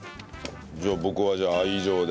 じゃあ僕はじゃあ愛情で。